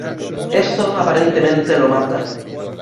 Esto aparentemente lo mata.